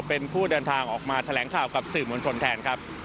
เป็นผู้เดินทางออกมาแถลงข่าวกับสื่อมวลชนแทนครับ